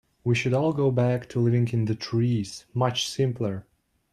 We should all go back to living in the trees, much simpler.